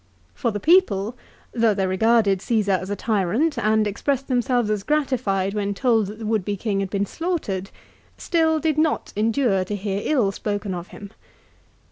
For the people, though they regarded Csesar as a tyrant, and expressed themselves as gratified when told that the would be king had been slaughtered, still did not endure to hear ill spoken of him.